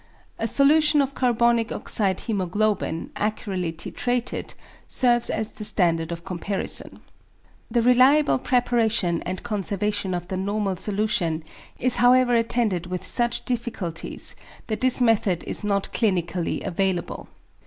A solution of carbonic oxide hæmoglobin, accurately titrated, serves as the standard of comparison. The reliable preparation and conservation of the normal solution is however attended with such difficulties, that this method is not clinically available.